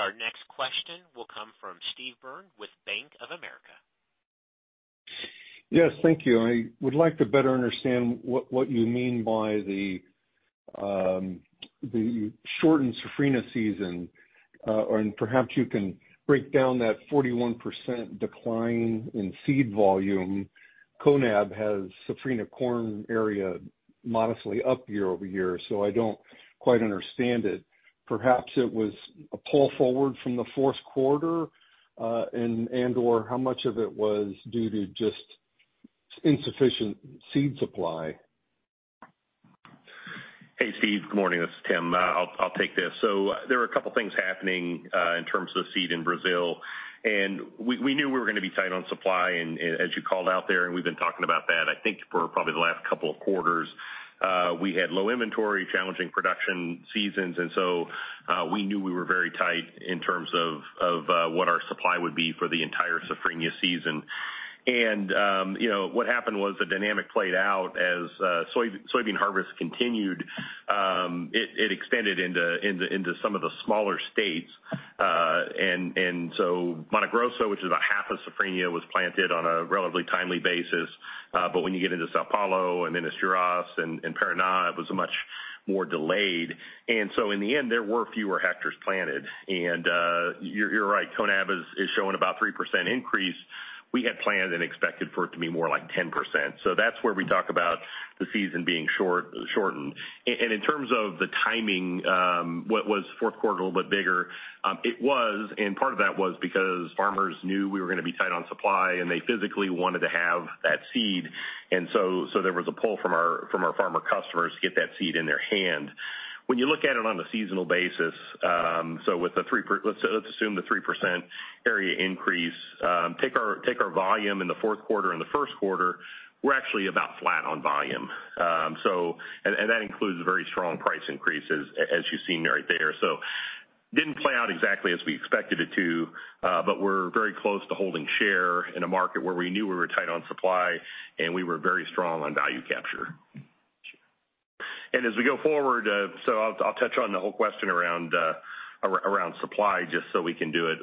Our next question will come from Steve Byrne with Bank of America. Yes, thank you. I would like to better understand what you mean by the shortened safrinha season, and perhaps you can break down that 41% decline in seed volume. CONAB has safrinha corn area modestly up year-over-year, I don't quite understand it. Perhaps it was a pull forward from the fourth quarter, and/or how much of it was due to just insufficient seed supply? Hey, Steve. Good morning, this is Tim. I'll take this. There are a couple things happening in terms of seed in Brazil. We knew we were gonna be tight on supply and as you called out there, and we've been talking about that, I think, for probably the last couple of quarters. We had low inventory, challenging production seasons. We knew we were very tight in terms of what our supply would be for the entire Safrinha season. You know, what happened was the dynamic played out as soybean harvest continued. It expanded into some of the smaller states. Mato Grosso, which is about half of Safrinha, was planted on a relatively timely basis. When you get into São Paulo and Minas Gerais and Paraná, it was much more delayed. In the end, there were fewer hectares planted. You're right, CONAB is showing about 3% increase. We had planned and expected for it to be more like 10%. That's where we talk about the season being short, shortened. In terms of the timing, what was fourth quarter a little bit bigger? It was, and part of that was because farmers knew we were gonna be tight on supply, and they physically wanted to have that seed. There was a pull from our farmer customers to get that seed in their hand. When you look at it on a seasonal basis, with the 3%, let's assume the 3% area increase. Take our volume in the fourth quarter and the first quarter, we're actually about flat on volume. That includes very strong price increases as you've seen right there. Didn't play out exactly as we expected it to, but we're very close to holding share in a market where we knew we were tight on supply, and we were very strong on value capture. As we go forward, I'll touch on the whole question around supply, just so we can do it,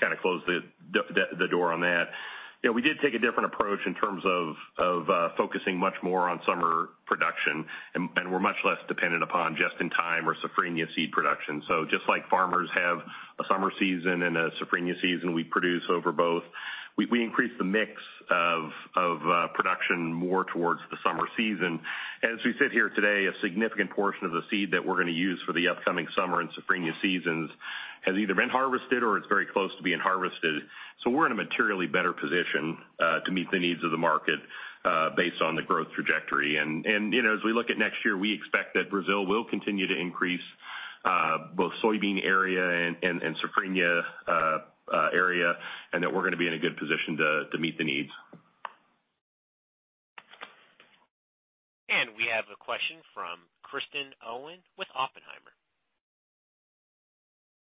kinda close the door on that. You know, we did take a different approach in terms of focusing much more on summer production. We're much less dependent upon just in time or Safrinha seed production. just like farmers have a summer season and a safrinha season, we produce over both. we increased the mix of production more towards the summer season. As we sit here today, a significant portion of the seed that we're gonna use for the upcoming summer and safrinha seasons has either been harvested or it's very close to being harvested. we're in a materially better position to meet the needs of the market based on the growth trajectory. you know, as we look at next year, we expect that Brazil will continue to increase both soybean area and safrinha area, and that we're gonna be in a good position to meet the needs. We have a question from Kristen Owen with Oppenheimer.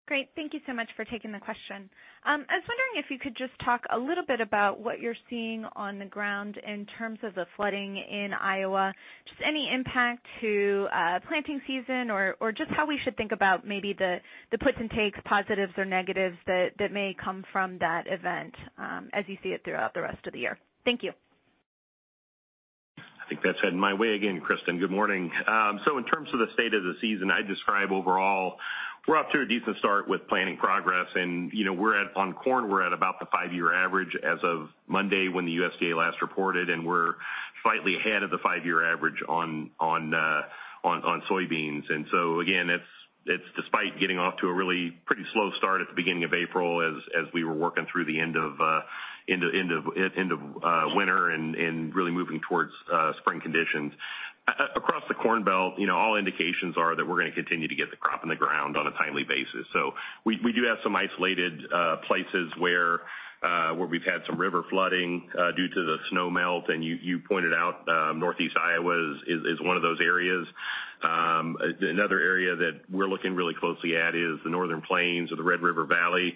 Great. Thank you so much for taking the question. I was wondering if you could just talk a little bit about what you're seeing on the ground in terms of the flooding in Iowa. Just any impact to planting season or just how we should think about maybe the puts and takes, positives or negatives that may come from that event, as you see it throughout the rest of the year. Thank you. I think that's heading my way again, Kristen. Good morning. So in terms of the state of the season, I'd describe overall, we're off to a decent start with planning progress. you know, we're at, on corn, we're at about the 5-year average as of Monday when the USDA last reported, and we're slightly ahead of the 5-year average on soybeans. Again, it's despite getting off to a really pretty slow start at the beginning of April as we were working through the end of winter and really moving towards spring conditions. Across the Corn Belt, you know, all indications are that we're gonna continue to get the crop in the ground on a timely basis. We do have some isolated places where we've had some river flooding due to the snow melt. You pointed out, Northeast Iowa is one of those areas. Another area that we're looking really closely at is the Northern Plains or the Red River Valley.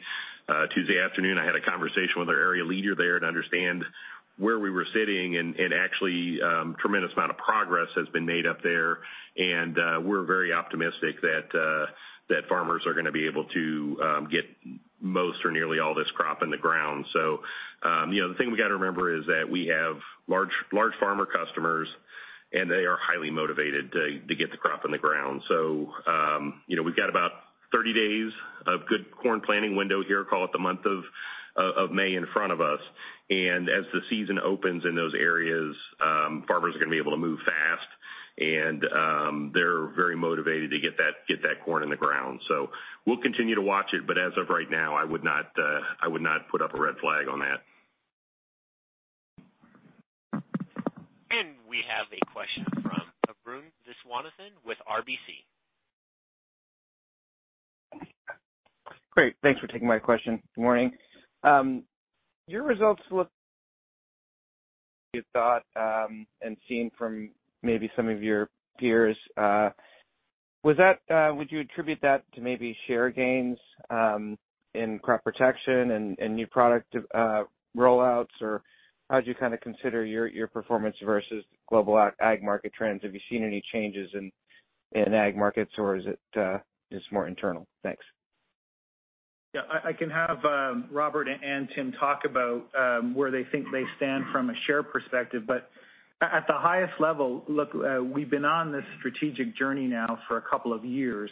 Tuesday afternoon, I had a conversation with our area leader there to understand where we were sitting and actually, tremendous amount of progress has been made up there. We're very optimistic that farmers are gonna be able to get most or nearly all this crop in the ground. You know, the thing we gotta remember is that we have large farmer customers, and they are highly motivated to get the crop in the ground. You know, we've got about 30 days of good corn planting window here, call it the month of May in front of us. As the season opens in those areas, farmers are gonna be able to move fast. They're very motivated to get that corn in the ground. We'll continue to watch it, but as of right now, I would not put up a red flag on that. We have a question from Arun Viswanathan with RBC. Great. Thanks for taking my question. Good morning. Your results look you thought, and seen from maybe some of your peers. Was that, would you attribute that to maybe share gains in crop protection and new product rollouts? How do you kinda consider your performance versus global ag market trends? Have you seen any changes in ag markets, or is it just more internal? Thanks. Yeah. I can have Robert and Tim talk about where they think they stand from a share perspective. At the highest level, look, we've been on this strategic journey now for a couple of years,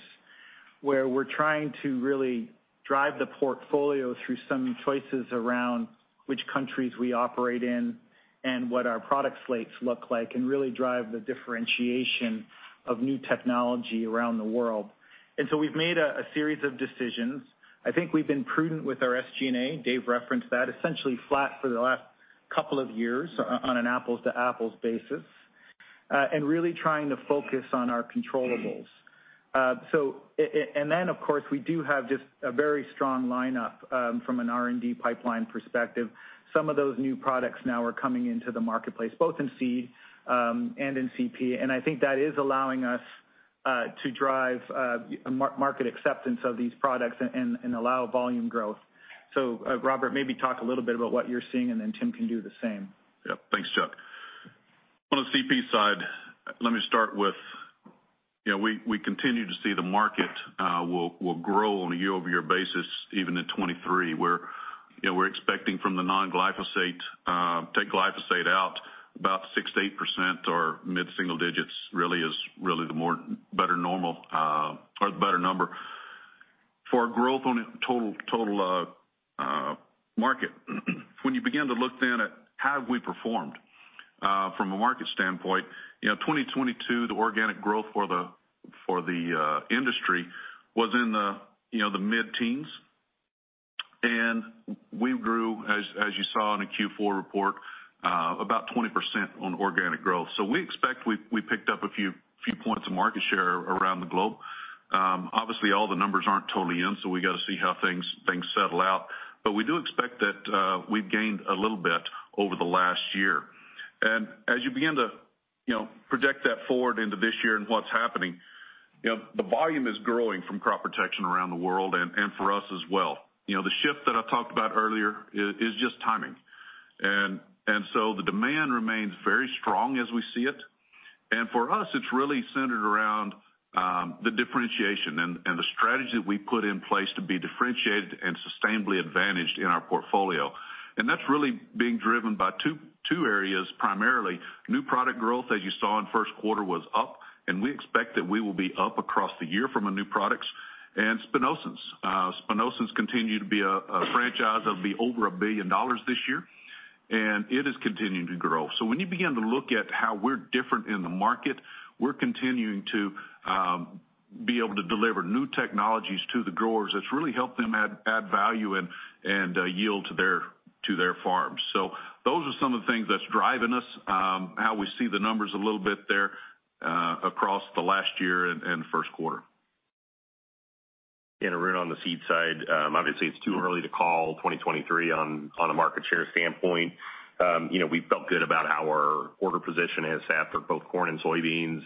where we're trying to really drive the portfolio through some choices around which countries we operate in and what our product slates look like, and really drive the differentiation of new technology around the world. We've made a series of decisions. I think we've been prudent with our SG&A. Dave referenced that, essentially flat for the last couple of years on an apples-to-apples basis, and really trying to focus on our controllables. Then, of course, we do have just a very strong lineup from an R&D pipeline perspective. Some of those new products now are coming into the marketplace, both in seed, and in CP. I think that is allowing us to drive market acceptance of these products and allow volume growth. Robert, maybe talk a little bit about what you're seeing. Tim can do the same. Yep. Thanks, Chuck. On the CP side, let me start with, you know, we continue to see the market will grow on a year-over-year basis even in 2023, where, you know, we're expecting from the non-glyphosate, take glyphosate out, about 6%-8% or mid-single digits really is really the more better normal, or the better number for our growth on a total market. When you begin to look then at how have we performed from a market standpoint, you know, 2022, the organic growth for the industry was in the, you know, the mid-teens. We grew, as you saw in the Q4 report, about 20% on organic growth. We expect we picked up a few points of market share around the globe. Obviously, all the numbers aren't totally in, so we gotta see how things settle out. But we do expect that we've gained a little bit over the last year. As you begin to, you know, project that forward into this year and what's happening, you know, the volume is growing from crop protection around the world and for us as well. You know, the shift that I talked about earlier is just timing. So the demand remains very strong as we see it. For us, it's really centered around the differentiation and the strategy that we put in place to be differentiated and sustainably advantaged in our portfolio. That's really being driven by two areas, primarily. New product growth, as you saw in first quarter, was up, and we expect that we will be up across the year from the new products and Spinosyns. Spinosyns continue to be a franchise of over $1 billion this year, and it is continuing to grow. When you begin to look at how we're different in the market, we're continuing to be able to deliver new technologies to the growers that's really helped them add value and yield to their farms. Those are some of the things that's driving us, how we see the numbers a little bit there, across the last year and first quarter. Arun, on the seed side, obviously it's too early to call 2023 on a market share standpoint. You know, we felt good about how our order position is after both corn and soybeans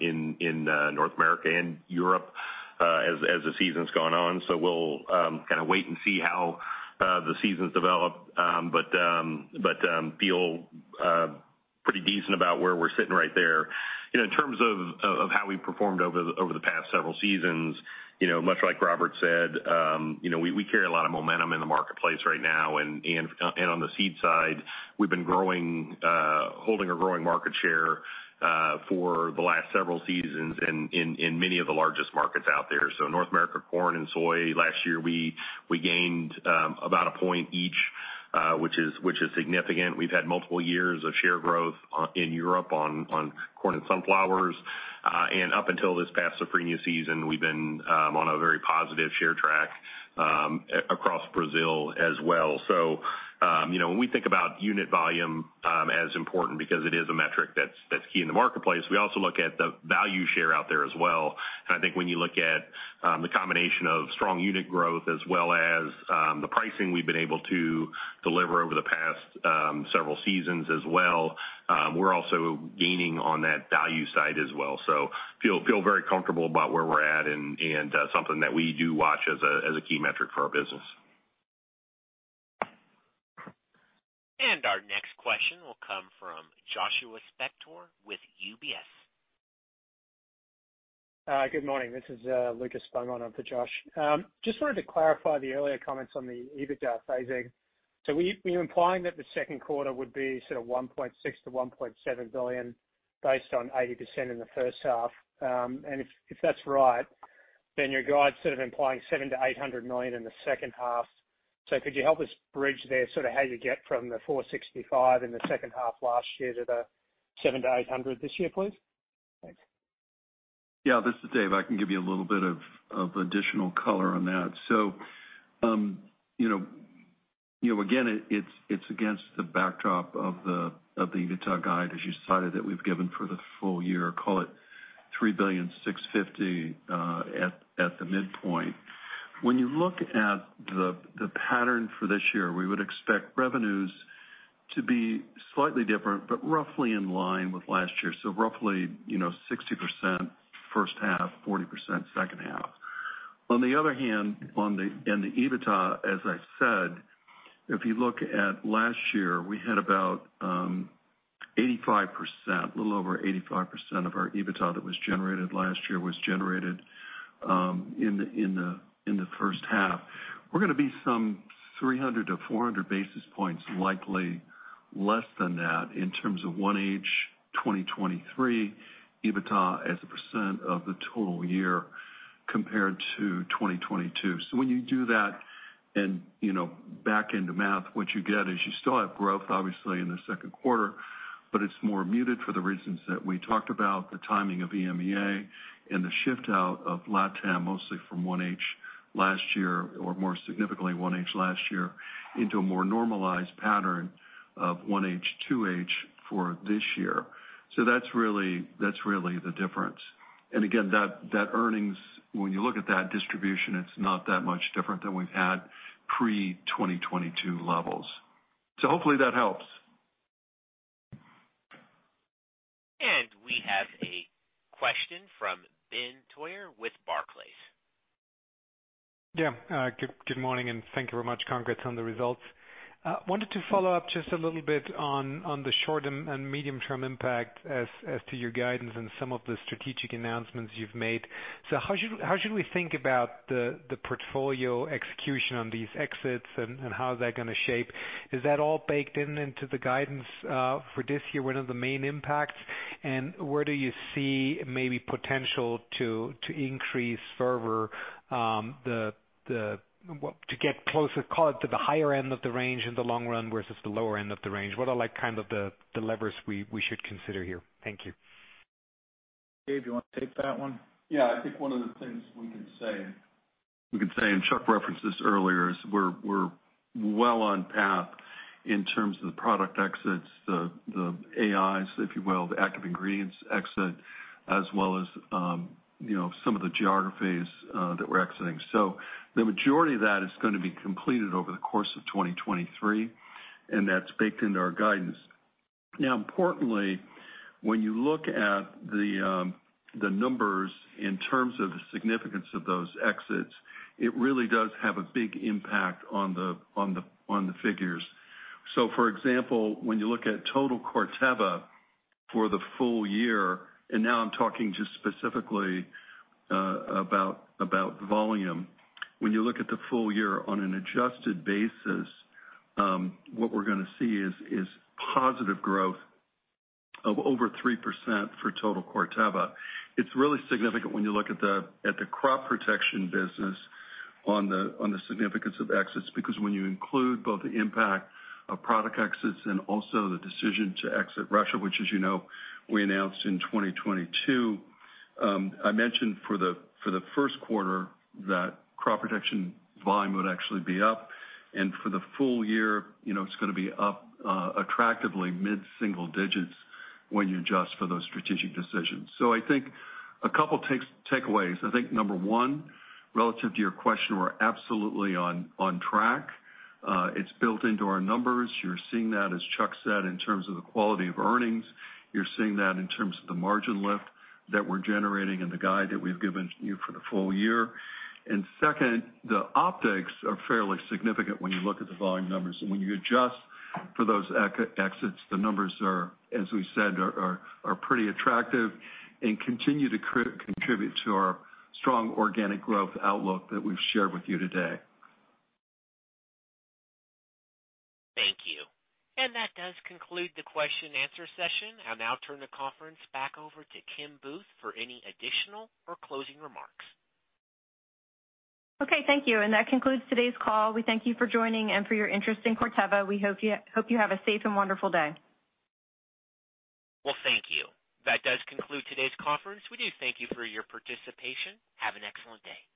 in North America and Europe as the season's gone on. We'll kind of wait and see how the seasons develop, but feel pretty decent about where we're sitting right there. You know, in terms of how we performed over the past several seasons, you know, much like Robert said, you know, we carry a lot of momentum in the marketplace right now. On the seed side, we've been growing, holding a growing market share for the last several seasons and in many of the largest markets out there. North America corn and soy last year, we gained about a point each, which is significant. We've had multiple years of share growth in Europe on corn and sunflowers. Up until this past safrinha season, we've been on a very positive share track across Brazil as well. You know, when we think about unit volume, as important because it is a metric that's key in the marketplace, we also look at the value share out there as well. I think when you look at the combination of strong unit growth as well as the pricing we've been able to deliver over the past several seasons as well, we're also gaining on that value side as well. feel very comfortable about where we're at and something that we do watch as a key metric for our business. Our next question will come from Joshua Spector with UBS. Good morning. This is Lucas Spellman in for Josh. Just wanted to clarify the earlier comments on the EBITDA phasing. Were you implying that the second quarter would be $1.6 billion-$1.7 billion based on 80% in the first half? If that's right, then your guide's implying $700 million-$800 million in the second half. Could you help us bridge there how you get from the $465 in the second half last year to the $700 million-$800 million this year, please? Thanks. Yeah. This is Dave. I can give you a little bit of additional color on that. You know, you know, again, it's against the backdrop of the EBITDA guide, as you cited, that we've given for the full year, call it $3.65 billion, at the midpoint. When you look at the pattern for this year, we would expect revenues to be slightly different, but roughly in line with last year. Roughly, you know, 60% first half, 40% second half. On the other hand, in the EBITDA, as I said, if you look at last year, we had about 85%, a little over 85% of our EBITDA that was generated last year was generated in the first half. We're gonna be some 300 to 400 basis points likely less than that in terms of one age 2023 EBITDA as a % of the total year compared to 2022. When you do that and, you know, back into math, what you get is you still have growth, obviously, in the second quarter. It's more muted for the reasons that we talked about, the timing of EMEA and the shift out of LatAm, mostly from 1H last year, or more significantly 1H last year, into a more normalized pattern of 1H, 2H for this year. That's really the difference. Again, that earnings, when you look at that distribution, it's not that much different than we've had pre-2022 levels. Hopefully that helps. We have a question from Benjamin Theurer with Barclays. Yeah. Good morning, and thank you very much. Congrats on the results. wanted to follow up just a little bit on the short and medium-term impact as to your guidance and some of the strategic announcements you've made. How should we think about the portfolio execution on these exits and how is that gonna shape? Is that all baked into the guidance for this year, one of the main impacts? Where do you see maybe potential to increase further to get closer, call it, to the higher end of the range in the long run versus the lower end of the range? What are like kind of the levers we should consider here? Thank you. Dave, you wanna take that one? Yeah. I think one of the things we can say, and Chuck referenced this earlier, is we're well on path in terms of the product exits, the AIs, if you will, the active ingredients exit, as well as, you know, some of the geographies that we're exiting. The majority of that is gonna be completed over the course of 2023, and that's baked into our guidance. Importantly, when you look at the numbers in terms of the significance of those exits, it really does have a big impact on the figures. For example, when you look at total Corteva for the full year, and now I'm talking just specifically about volume. When you look at the full year on an adjusted basis, what we're gonna see is positive growth of over 3% for total Corteva. It's really significant when you look at the crop protection business on the significance of exits because when you include both the impact of product exits and also the decision to exit Russia, which as you know, we announced in 2022, I mentioned for the first quarter that crop protection volume would actually be up. For the full year, you know, it's gonna be up attractively mid-single digits when you adjust for those strategic decisions. I think a couple takeaways. I think number one, relative to your question, we're absolutely on track. It's built into our numbers. You're seeing that, as Chuck said, in terms of the quality of earnings. You're seeing that in terms of the margin lift that we're generating and the guide that we've given you for the full year. Second, the optics are fairly significant when you look at the volume numbers. When you adjust for those exits, the numbers are, as we said, are pretty attractive and continue to contribute to our strong organic growth outlook that we've shared with you today. Thank you. That does conclude the question and answer session. I'll now turn the conference back over to Kimberly Booth for any additional or closing remarks. Okay, thank you. That concludes today's call. We thank you for joining and for your interest in Corteva. We hope you have a safe and wonderful day. Well, thank you. That does conclude today's conference. We do thank you for your participation. Have an excellent day.